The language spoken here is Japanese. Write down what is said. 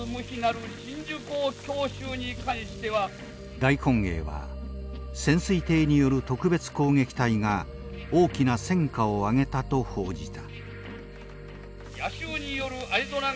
大本営は潜水艇による特別攻撃隊が大きな戦果を上げたと報じた。